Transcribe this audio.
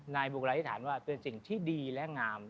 บุคลาธิษฐานว่าเป็นสิ่งที่ดีและงาม